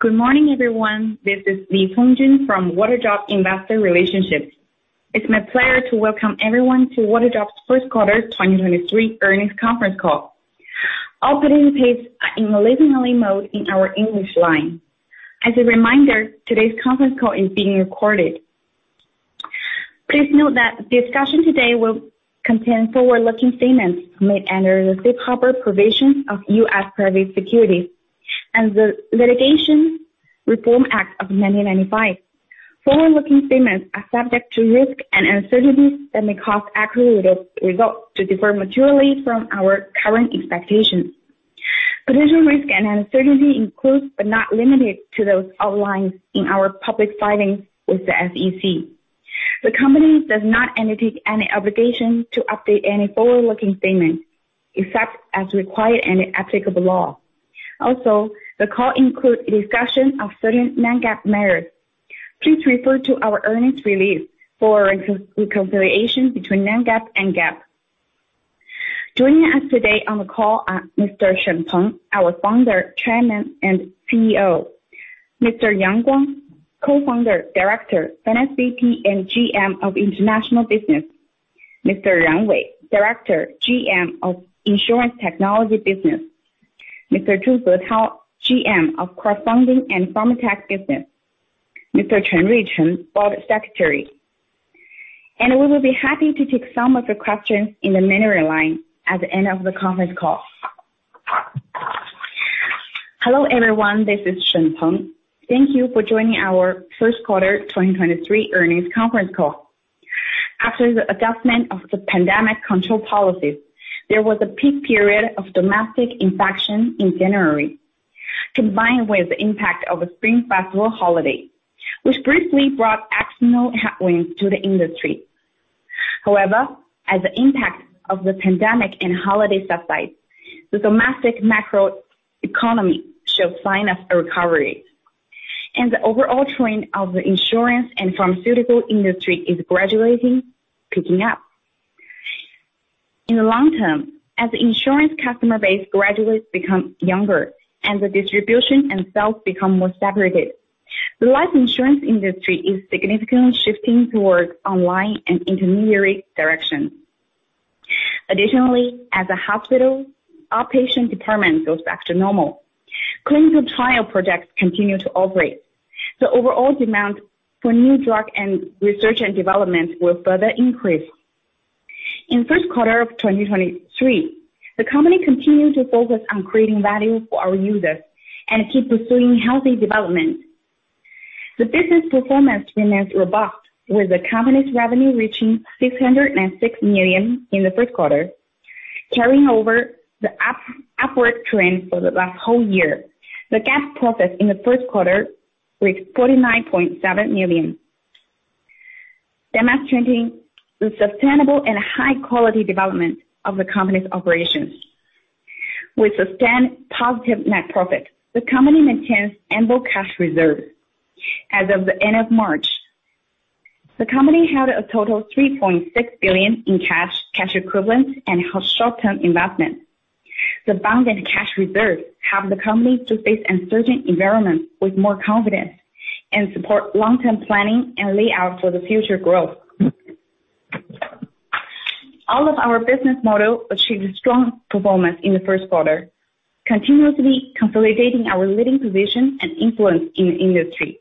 Good morning, everyone. This is Li Hongjian from Waterdrop Investor Relations. It's my pleasure to welcome everyone to Waterdrop's first quarter 2023 earnings conference call. All participants are in listen-only mode in our English line. As a reminder, today's conference call is being recorded. Please note that the discussion today will contain forward-looking statements made under the safe harbor provisions of U.S. Private Securities and the Litigation Reform Act of 1995. Forward-looking statements are subject to risk and uncertainties that may cause accurate results to differ materially from our current expectations. Potential risk and uncertainty includes, but not limited to, those outlined in our public filings with the SEC. The company does not undertake any obligation to update any forward-looking statements, except as required in the applicable law. Also, the call includes a discussion of certain non-GAAP measures. Please refer to our earnings release for reconciliation between non-GAAP and GAAP. Joining us today on the call are Mr. Shen Peng, our Founder, Chairman, and CEO, Mr. Yang Guang, Co-founder, Director, FSVP, and GM of International Business, Mr. Ran Wei, Director, GM of Insurance Technology Business. Mr. Zhu Zetao, GM of Crowdfunding and Pharmatech Business, Mr. Chen Ruichen, Board Secretary. We will be happy to take some of your questions in the mineral line at the end of the conference call. Hello, everyone, this is Shen Peng. Thank you for joining our first quarter 2023 earnings conference call. After the adjustment of the pandemic control policies, there was a peak period of domestic infection in January, combined with the impact of the Spring Festival holiday, which briefly brought accidental headwinds to the industry. However, as the impact of the pandemic and holiday subsides, the domestic macroeconomy shows signs of a recovery, the overall trend of the insurance and pharmaceutical industry is gradually picking up. In the long term, as the insurance customer base gradually becomes younger and the distribution and sales become more separated, the life insurance industry is significantly shifting towards online and intermediary directions. As a hospital outpatient department goes back to normal. Clinical trial projects continue to operate. The overall demand for new drug and research and development will further increase. In first quarter of 2023, the company continued to focus on creating value for our users and keep pursuing healthy development. The business performance remains robust, with the company's revenue reaching 606 million in the first quarter, carrying over the upward trend for the last whole year. The GAAP profit in the first quarter was 49.7 million, demonstrating the sustainable and high-quality development of the company's operations. With sustained positive net profit, the company maintains ample cash reserves. As of the end of March, the company had a total 3.6 billion in cash equivalents, and short-term investment. The abundant cash reserves help the company to face uncertain environments with more confidence and support long-term planning and layout for the future growth. All of our business model achieved strong performance in the first quarter, continuously consolidating our leading position and influence in the industry.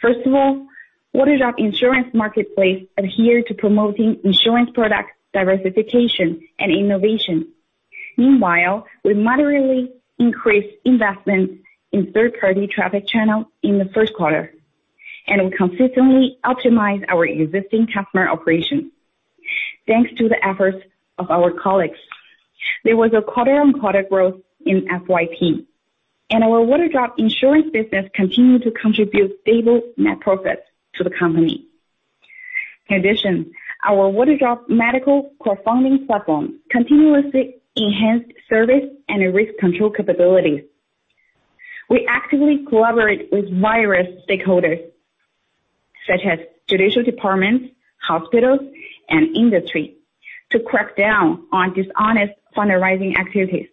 First of all, Waterdrop Insurance Marketplace adhere to promoting insurance product diversification and innovation. Meanwhile, we moderately increased investments in third-party traffic channel in the first quarter, and we consistently optimize our existing customer operations. Thanks to the efforts of our colleagues, there was a quarter-on-quarter growth in FYP, and our Waterdrop Insurance business continued to contribute stable net profits to the company. In addition, our Waterdrop Medical Crowdfunding platform continuously enhanced service and risk control capabilities. We actively collaborate with various stakeholders, such as judicial departments, hospitals, and industry, to crack down on dishonest fundraising activities.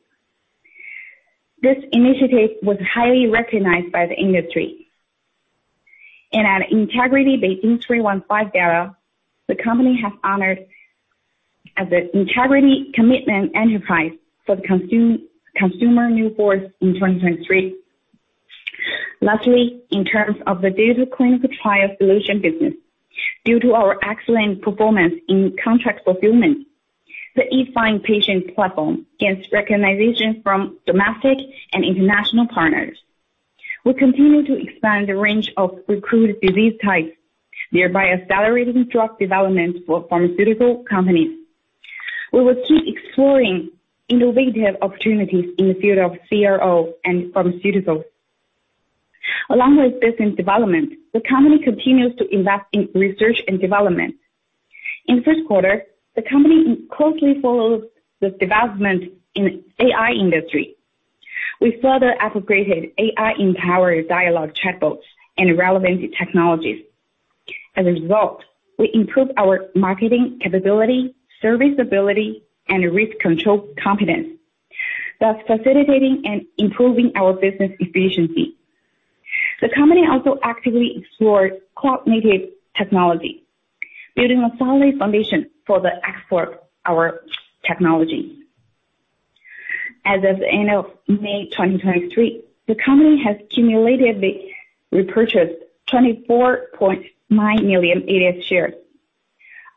This initiative was highly recognized by the industry. In the Integrity Beijing 315 Gala, the company has honored as an Integrity Commitment Enterprise for the Consumer New Force in 2023. Lastly, in terms of the data clinical trial solution business, due to our excellent performance in contract fulfillment, the E-Find Patient Platform gains recognition from domestic and international partners. We continue to expand the range of recruited disease types, thereby accelerating drug development for pharmaceutical companies. We will keep exploring innovative opportunities in the field of CRO and pharmaceuticals. Along with business development, the company continues to invest in research and development. In first quarter, the company closely follows the development in AI industry. We further upgraded AI-empowered dialogue chatbots and relevant technologies. As a result, we improved our marketing capability, service ability, and risk control confidence, thus facilitating and improving our business efficiency. The company also actively explored cloud-native technology, building a solid foundation for the export of our technology. As of the end of May 2023, the company has cumulatively repurchased 24.9 million ADS shares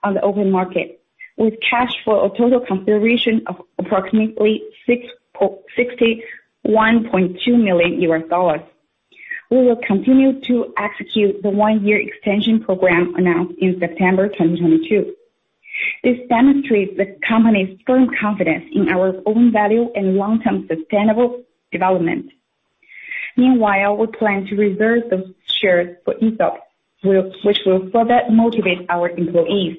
on the open market, with cash for a total consideration of approximately RMB61.2 million. We will continue to execute the one-year extension program announced in September 2022. This demonstrates the company's firm confidence in our own value and long-term sustainable development. Meanwhile, we plan to reserve those shares for escrow, which will further motivate our employees.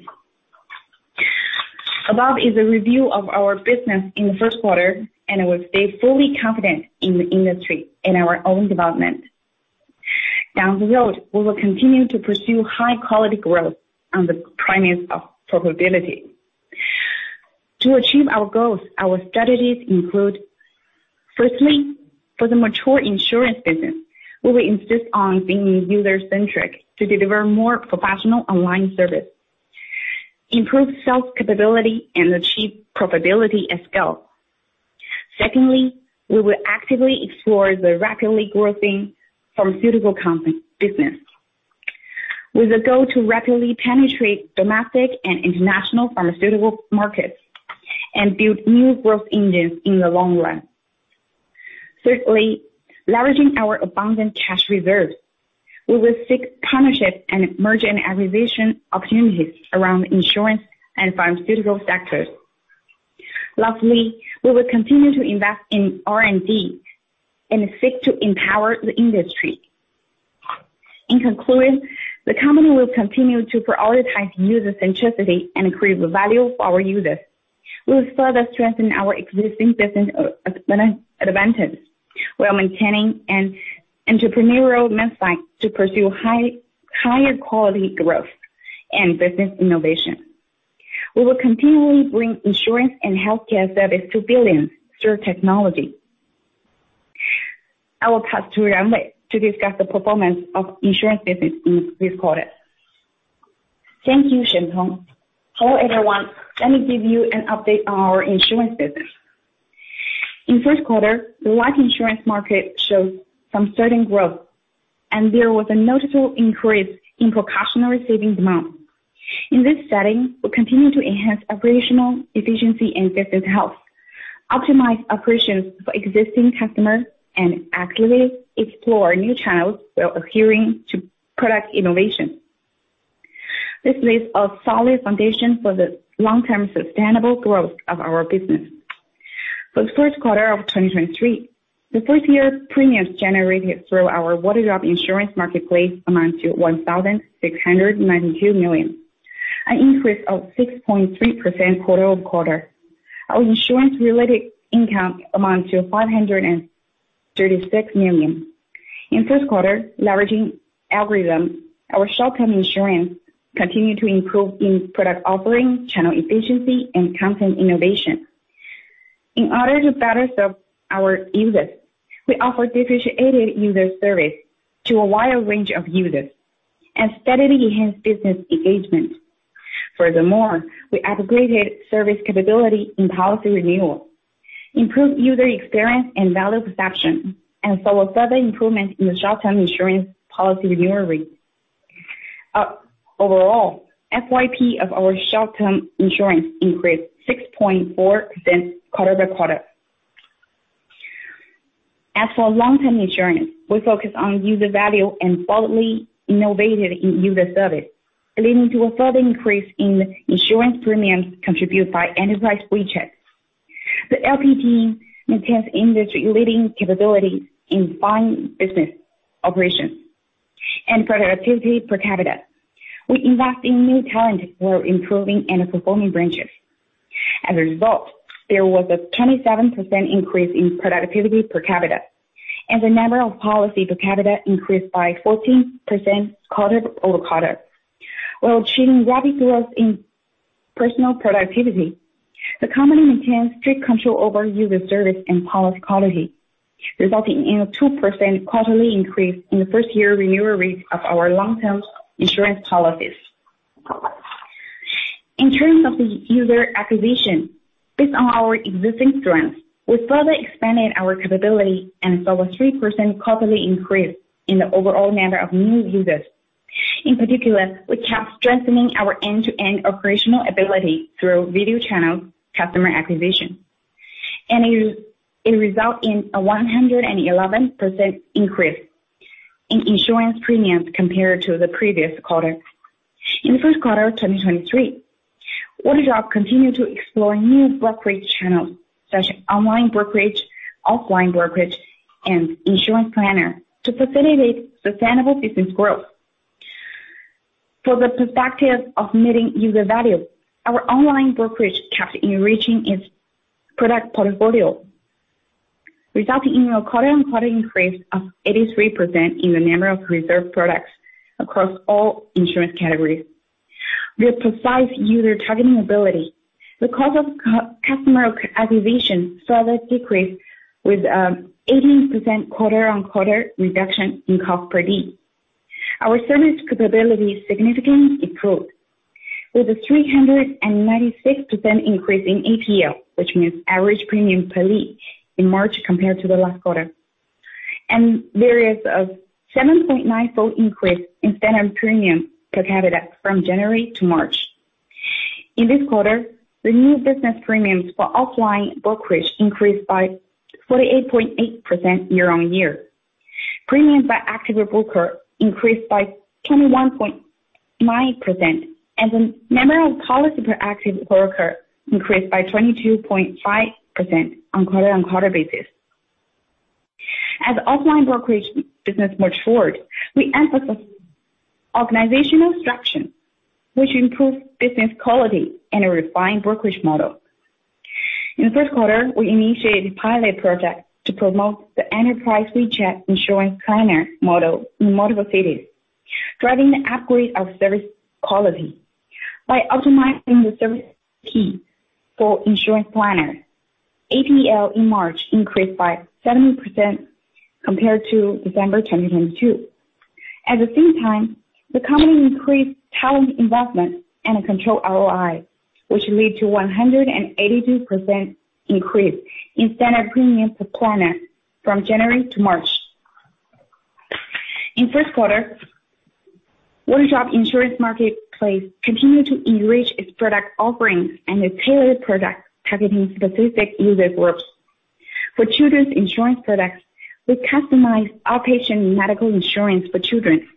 Above is a review of our business in the first quarter. I will stay fully confident in the industry and our own development. Down the road, we will continue to pursue high-quality growth on the premise of profitability. To achieve our goals, our strategies include, firstly, for the mature insurance business, we will insist on being user-centric to deliver more professional online service, improve sales capability, and achieve profitability at scale. Secondly, we will actively explore the rapidly growing pharmaceutical content business, with a goal to rapidly penetrate domestic and international pharmaceutical markets and build new growth engines in the long run. Leveraging our abundant cash reserves, we will seek partnerships and merger and acquisition opportunities around the insurance and pharmaceutical sectors. Lastly, we will continue to invest in R&D and seek to empower the industry. In conclusion, the company will continue to prioritize user centricity and create the value for our users. We will further strengthen our existing business advantage while maintaining an entrepreneurial mindset to pursue higher quality growth and business innovation. We will continually bring insurance and healthcare service to billions through technology. I will pass to Wei Ran to discuss the performance of insurance business in this quarter. Thank you, Shen Peng. Hello, everyone. Let me give you an update on our insurance business. In first quarter, the life insurance market showed some certain growth and there was a noticeable increase in precautionary savings demand. In this setting, we continue to enhance operational efficiency and business health, optimize operations for existing customers, and actively explore new channels while adhering to product innovation. This lays a solid foundation for the long-term sustainable growth of our business. For the first quarter of 2023, the first year premiums generated through our Waterdrop Insurance Marketplace amounts to 1,692 million, an increase of 6.3% quarter-over-quarter. Our insurance-related income amounts to 536 million. In first quarter, leveraging algorithms, our short-term insurance continued to improve in product offering, channel efficiency, and content innovation. In order to better serve our users, we offer differentiated user service to a wider range of users and steadily enhance business engagement. Furthermore, we upgraded service capability in policy renewal, improved user experience and value perception, and saw a further improvement in the short-term insurance policy renewal rate. Overall, FYP of our short-term insurance increased 6.4% quarter-over-quarter. As for long-term insurance, we focus on user value and thoroughly innovated in user service, leading to a further increase in insurance premiums contributed by Enterprise WeChat. The LP team maintains industry-leading capabilities in fine business operations and productivity per capita. We invest in new talent for improving underperforming branches. As a result, there was a 27% increase in productivity per capita, and the number of policy per capita increased by 14% quarter-over-quarter, while achieving rapid growth in personal productivity. The company maintains strict control over user service and policy quality, resulting in a 2% quarterly increase in the first-year renewal rate of our long-term insurance policies. In terms of the user acquisition, based on our existing strengths, we further expanded our capability and saw a 3% quarterly increase in the overall number of new users. In particular, we kept strengthening our end-to-end operational ability through video channel customer acquisition, and it result in a 111% increase in insurance premiums compared to the previous quarter. In the first quarter of 2023, Waterdrop continued to explore new brokerage channels, such as online brokerage, offline brokerage, and insurance planner, to facilitate sustainable business growth. For the perspective of meeting user value, our online brokerage kept enriching its product portfolio. resulting in a quarter-on-quarter increase of 83% in the number of reserved products across all insurance categories. With precise user targeting ability, the cost of customer acquisition further decreased with 18% quarter-on-quarter reduction in cost per lead. Our service capability significantly improved with a 396% increase in ATL, which means average premium per lead, in March compared to the last quarter. There is a 7.9-fold increase in standard premium per capita from January to March. In this quarter, the new business premiums for offline brokerage increased by 48.8% year-on-year. Premiums by active broker increased by 21.9%, and the number of policy per active broker increased by 22.5% on quarter-on-quarter basis. As offline brokerage business moved forward, we emphasized organizational structure, which improved business quality and a refined brokerage model. In the first quarter, we initiated a pilot the Enterprise WeChat insurance planner model in multiple cities, driving the upgrade of service quality. By optimizing the service key for insurance planners, ATL in March increased by 70% compared to December 2022. At the same time, the company increased talent investment and controlled ROI, which lead to 182% increase in standard premium per planner from January to March. In first quarter, Waterdrop Insurance Marketplace continued to enrich its product offerings and its tailored products, targeting specific user groups. For children's insurance products, we customized outpatient medical insurance for children,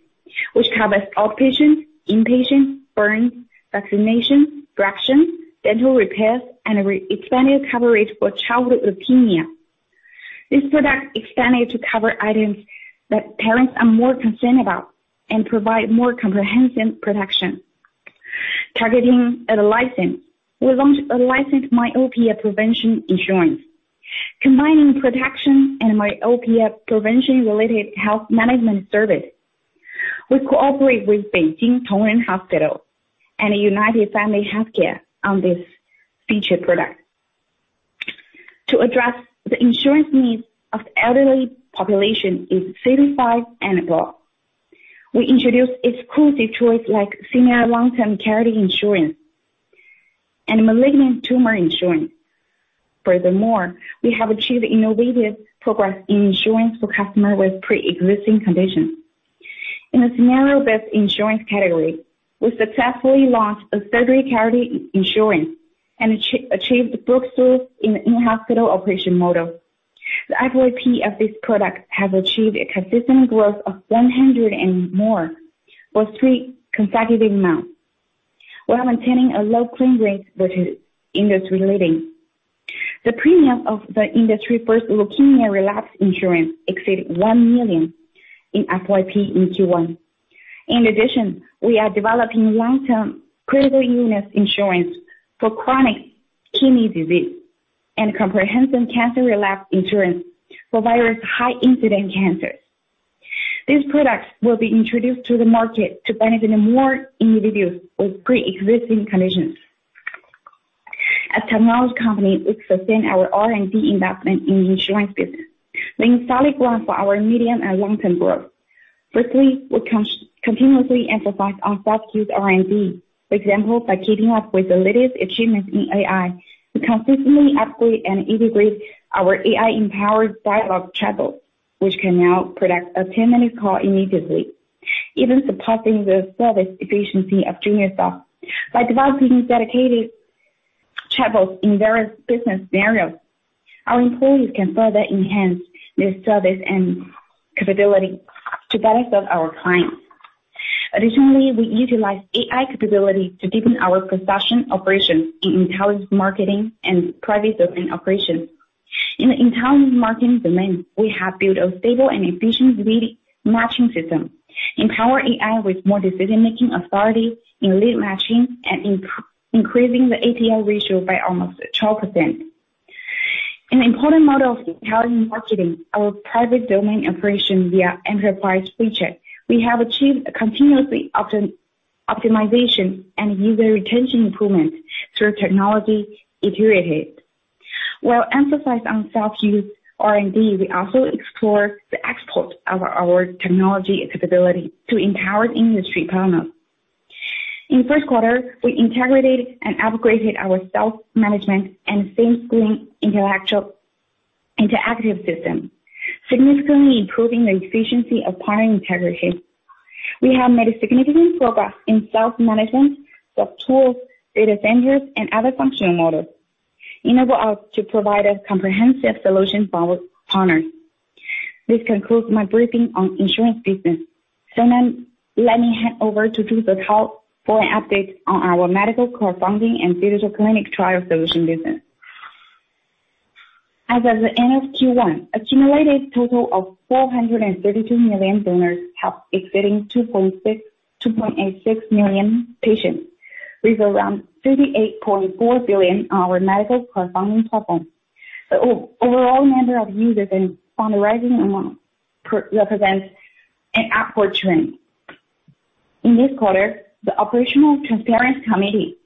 which covers outpatients, inpatients, burns, vaccinations, fractions, dental repairs, and re-expanded coverage for childhood leukemia. This product expanded to cover items that parents are more concerned about and provide more comprehensive protection. Targeting adult license, we launched a licensed myopia prevention insurance, combining protection and myopia prevention-related health management service. We cooperate with Beijing Tongren Hospital and United Family Healthcare on this featured product. To address the insurance needs of the elderly population in 75 and above, we introduced exclusive choices like senior long-term care insurance and malignant tumor insurance. We have achieved innovative progress in insurance for customers with pre-existing conditions. In the scenario-based insurance category, we successfully launched a surgery care insurance and achieved breakthrough in the in-hospital operation model. The FYP of this product has achieved a consistent growth of 100+ for three consecutive months, while maintaining a low claim rate, which is industry leading. The premium of the industry-first leukemia relapse insurance exceeded one million in FYP in Q1. In addition, we are developing long-term critical illness insurance for chronic kidney disease and comprehensive cancer relapse insurance for various high-incident cancers. These products will be introduced to the market to benefit more individuals with pre-existing conditions. As technology company, we sustain our R&D investment in insurance business, laying solid ground for our medium and long-term growth. We continuously emphasize on self-use R&D. For example, by keeping up with the latest achievements in AI, we consistently upgrade and integrate our AI-empowered dialogue chatbots, which can now predict a 10-minute call immediately, even supporting the service efficiency of junior staff. By developing dedicated chatbots in various business scenarios, our employees can further enhance their service and capability to benefit our clients. Additionally, we utilize AI capability to deepen our precision operations in intelligent marketing and private domain operation. In the intelligent marketing domain, we have built a stable and efficient lead matching system, empower AI with more decision-making authority in lead matching and increasing the ATL ratio by almost 12%. An important model of intelligent marketing, our private domain operation via Enterprise WeChat, we have achieved a continuously optimization and user retention improvement through Technology Iterative. While emphasized on self-use R&D, we also explore the export of our technology capability to empower industry partners. In first quarter, we integrated and upgraded our self-management and face screening intellectual interactive system, significantly improving the efficiency of partner integrity. We have made a significant progress in self-management, self-tools, data centers, and other functional models, enable us to provide a comprehensive solution for our partners. This concludes my briefing on insurance business. Now, let me hand over to Zhu Zetao for an update on our medical crowdfunding and Digital Clinical Trial Solution business. As of the end of Q1, accumulated total of 432 million donors helped exceeding 2.86 million patients. With around 38.4 billion our medical crowdfounding platform. The overall number of users in fundraising amount represents an upward trend. In this quarter, the Operational Transparency Committee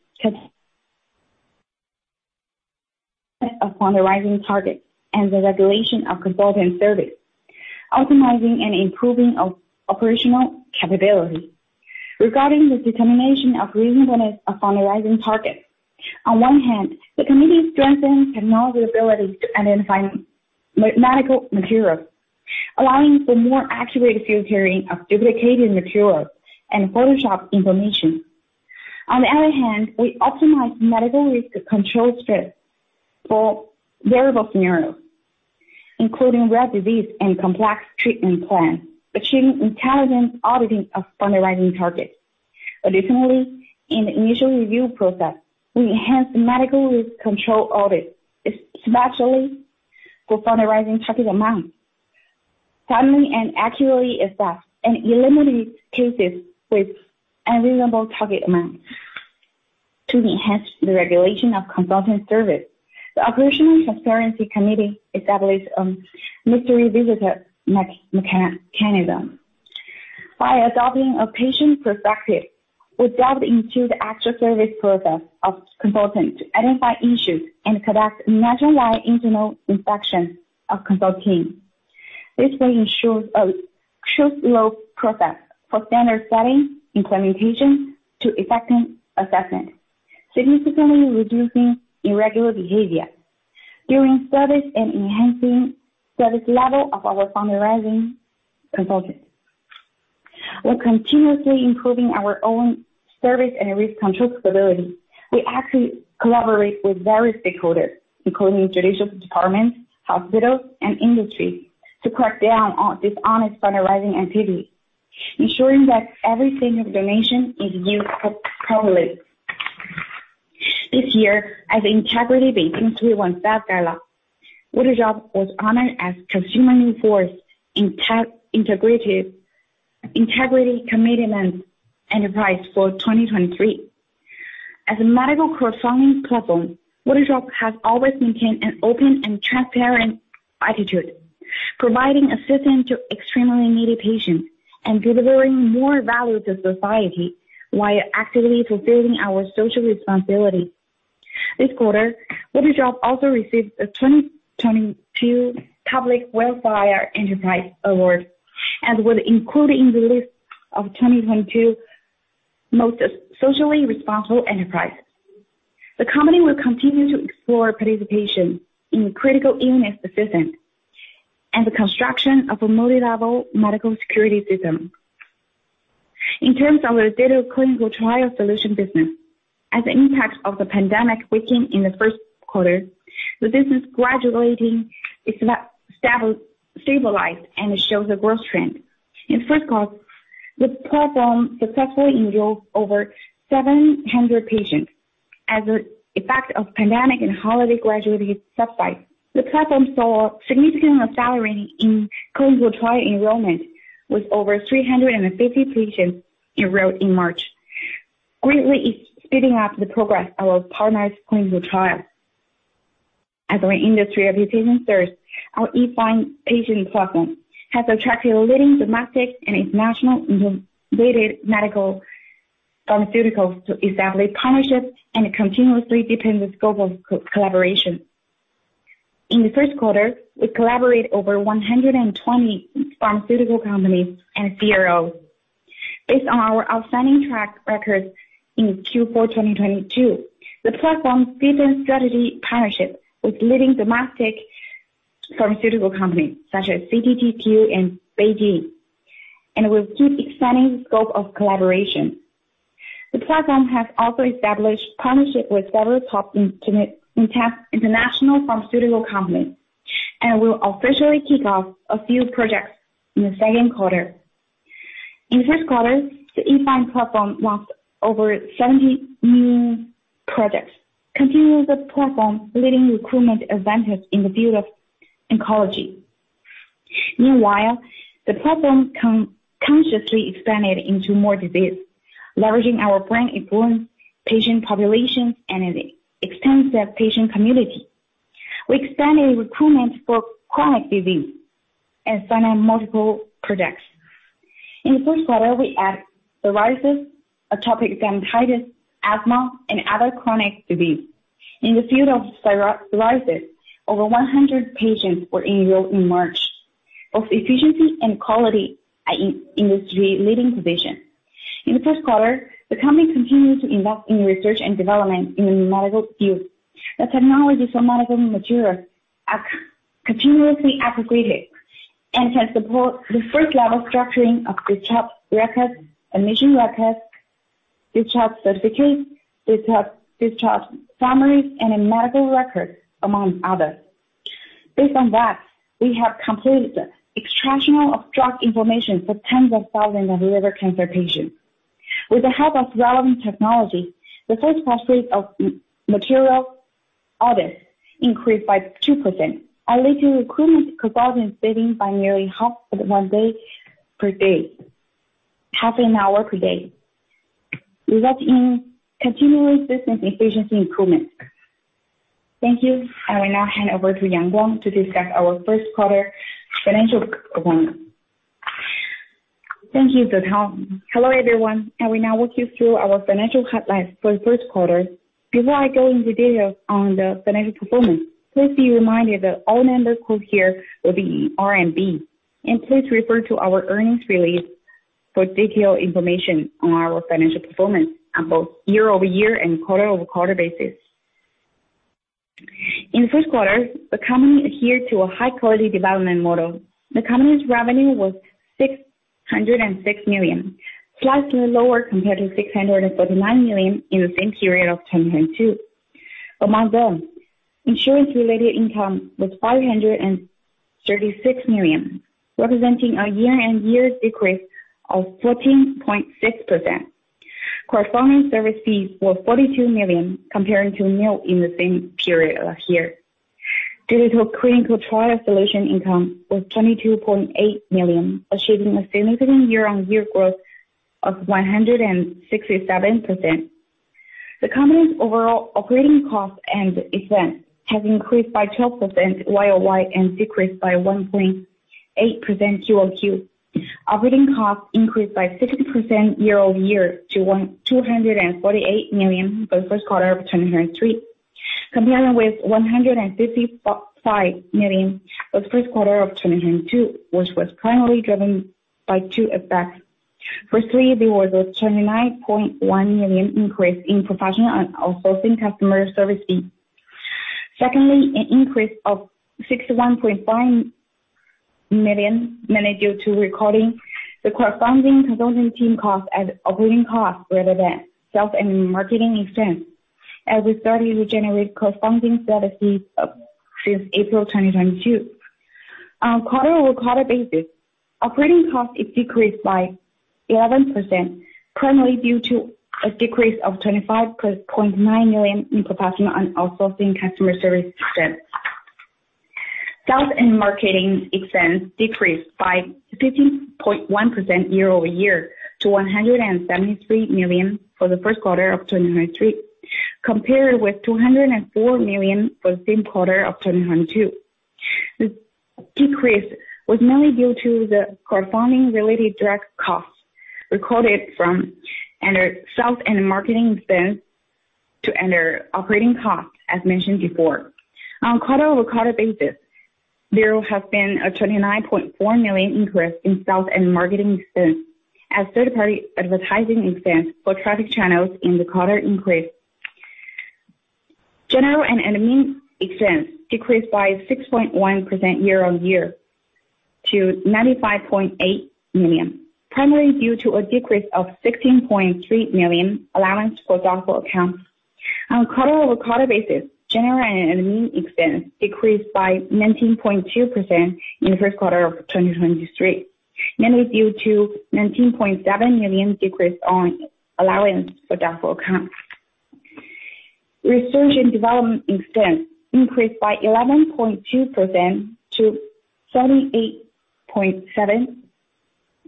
took upon the rising targets and the regulation of consultant service, optimizing and improving operational capability. Regarding the determination of reasonableness of fundraising targets, on one hand, the committee strengthens technology abilities to identify medical materials, allowing for more accurate filtering of duplicated materials and Photoshop information. On the other hand, we optimize medical risk control stress for variable scenarios, including rare disease and complex treatment plans, achieving intelligent auditing of fundraising targets. Additionally, in the initial review process, we enhanced medical risk control audit, especially for fundraising target amounts, timely and accurately assess and eliminate cases with unreasonable target amounts. To enhance the regulation of consulting service, the Operational Transparency Committee established mystery visitor mechanism. By adopting a patient perspective, we delved into the actual service process of consultants to identify issues and conduct nationwide internal inspection of consulting. This way ensures a closed-loop process for standard setting implementation to effective assessment, significantly reducing irregular behavior during service and enhancing service level of our fundraising consultants. While continuously improving our own service and risk control stability, we actively collaborate with various stakeholders, including judicial departments, hospitals, and industry, to crack down on dishonest fundraising activities, ensuring that every single donation is used properly. This year, as Integrity Beijing 315 Gala, Waterdrop was honored as Consumer Enforce Integrity Commitment Enterprise for 2023. As a medical crowdfounding platform, Waterdrop has always maintained an open and transparent attitude, providing assistance to extremely needy patients and delivering more value to society while actively fulfilling our social responsibility. This quarter, Waterdrop also received the 2022 Public Welfare Enterprise Award and was included in the list of 2022 Most Socially Responsible Enterprise. The company will continue to explore participation in critical illness assistance and the construction of a multi-level medical security system. In terms of our digital clinical trial solution business, as the impact of the pandemic weakened in the first quarter, the business gradually stabilized. It shows a growth trend. In the first quarter, the platform successfully enrolled over 700 patients. As the effect of pandemic and holiday gradually subside, the platform saw significant acceleration in clinical trial enrollment, with over 350 patients enrolled in March, greatly speeding up the progress of our partners' clinical trials. As an industry observation search, our E-Find Patient Platform has attracted leading domestic and international innovative medical pharmaceuticals to establish partnerships. It continuously deepens the scope of collaboration. In the first quarter, we collaborate over 120 pharmaceutical companies and CROs. Based on our outstanding track records in Q4 2022, the platform seasoned strategy partnership with leading domestic pharmaceutical companies such as CTTQ and BeiGene and will keep expanding the scope of collaboration. The platform has also established partnerships with several top international pharmaceutical companies and will officially kick off a few projects in the second quarter. In this quarter, the E-Find Platform launched over 70 new projects, continuing the platform's leading recruitment advantage in the field of oncology. Meanwhile, the platform consciously expanded into more disease, leveraging our brand influence, patient population, and an extensive patient community. We expanded recruitment for chronic disease and signed on multiple projects. In the first quarter, we added psoriasis, atopic dermatitis, asthma, and other chronic disease. In the field of psoriasis, over 100 patients were enrolled in March. Of efficiency and quality, industry leading position. In the first quarter, the company continued to invest in Research and Development in the medical field. The technologies for medical material are continuously aggregated and can support the first-level structuring of discharge records, admission records, discharge certificates, discharge summaries, and medical records, among others. Based on that, we have completed the extraction of drug information for tens of thousands of liver cancer patients. With the help of relevant technology, the first process of materials, August increased by 2%, our leading recruitment consultant saving by nearly half of one day per day, half an hour per day, resulting in continuous business efficiency improvements. Thank you. I will now hand over to Yang Guang to discuss our first quarter financial performance. Thank you, Zetao. Hello, everyone, I will now walk you through our financial highlights for the first quarter. Before I go into details on the financial performance, please be reminded that all numbers quoted here will be RMB, and please refer to our earnings release for detailed information on our financial performance on both year-over-year and quarter-over-quarter basis. In the first quarter, the company adhered to a high-quality development model. The company's revenue was 606 million, slightly lower compared to 649 million in the same period of 2022. Among them, insurance-related income was 536 million, representing a year-on-year decrease of 14.6%. Crowdfunding service fees were 42 million, comparing to nil in the same period last year. Due to a clinical trial solution, income was 22.8 million, achieving a significant year-on-year growth of 167%. The company's overall operating costs and expense have increased by 12% YoY and decreased by 1.8% QoQ. Operating costs increased by 60% year-over-year to 1,248 million for the first quarter of 2023, combined with 155 million the first quarter of 2022, which was primarily driven by two effects. Firstly, there was a 29.1 million increase in professional and outsourcing customer service fees. Secondly, an increase of 61.5 million, mainly due to recording the crowdfunding consulting team costs as operating costs rather than sales and marketing expense, as we started to generate crowdfunding services since April 2022. On a quarter-over-quarter basis, operating costs decreased by 11%, primarily due to a decrease of 25.9 million in professional and outsourcing customer service expense. Sales and marketing expense decreased by 15.1% year-over-year to 173 million for the first quarter of 2023, compared with 204 million for the same quarter of 2022. This decrease was mainly due to the crowdfunding-related direct costs recorded from under sales and marketing expense to under operating costs, as mentioned before. On a quarter-over-quarter basis, there has been a 29.4 million increase in sales and marketing expense as third-party advertising expense for traffic channels in the quarter increased. General and admin expense decreased by 6.1% year-on-year to 95.8 million, primarily due to a decrease of 16.3 million allowance for doubtful accounts. On a quarter-over-quarter basis, general and admin expense decreased by 19.2% in the first quarter of 2023, mainly due to 19.7 million decrease on allowance for doubtful accounts. Research and development expense increased by 11.2% to 38.7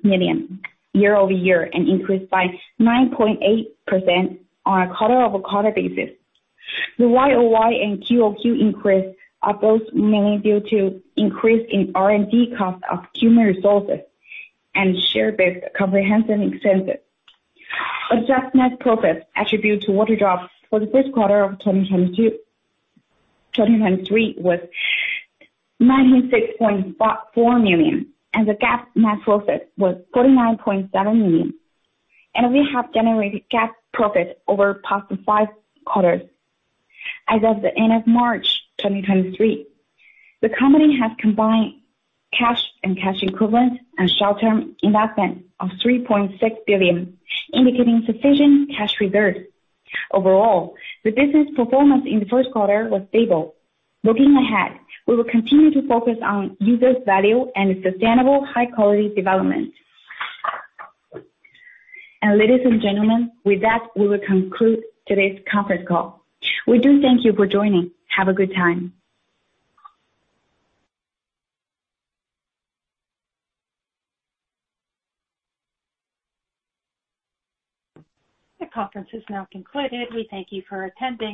million year-over-year and increased by 9.8% on a quarter-over-quarter basis. The YOY and QOQ increase are both mainly due to increase in R&D cost of human resources and share-based comprehensive expenses. Adjusted net profit attributed to Waterdrop for the first quarter of 2022, 2023 was 96.4 million, and the GAAP net profit was 49.7 million, and we have generated GAAP profit over past five quarters. As of the end of March 2023, the company has combined cash and cash equivalents and short-term investment of 3.6 billion, indicating sufficient cash reserves. Overall, the business performance in the first quarter was stable. Looking ahead, we will continue to focus on users' value and sustainable, high-quality development. Ladies and gentlemen, with that, we will conclude today's conference call. We do thank you for joining. Have a good time. The conference is now concluded. We thank you for attending.